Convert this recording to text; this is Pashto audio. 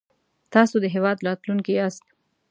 تاسو د هېواد راتلونکی ياست